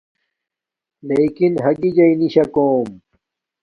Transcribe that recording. لݵکن ہگݵ جݳئی نݵ شَکݸم.